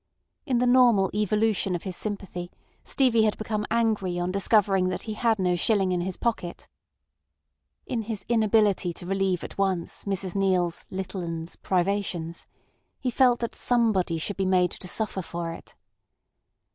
In the normal evolution of his sympathy Stevie had become angry on discovering that he had no shilling in his pocket. In his inability to relieve at once Mrs Neale's "little 'uns'" privations, he felt that somebody should be made to suffer for it.